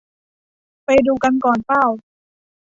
ไปดูกันก่อนป่าว